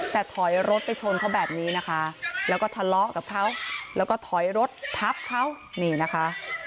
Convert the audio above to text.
แต่ถอยรถไปชนเขาแบบนี้นะคะแล้วก็ทะเลาะกับเขาแล้วก็ถอยรถทับเขานี่นะคะ